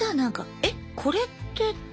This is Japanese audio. えっこれってって。